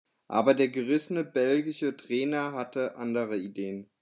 Aber der gerissene belgische Trainer hatte andere Ideen.